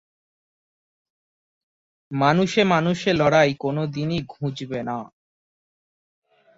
মানুষে-মানুষে লড়াই কোনদিনই ঘুঁচবে না।